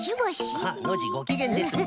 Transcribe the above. あっノージーごきげんですね。